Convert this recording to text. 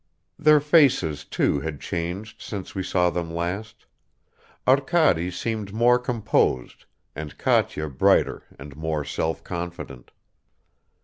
Their faces, too, had changed since we saw them last; Arkady seemed more composed and Katya brighter and more self confident.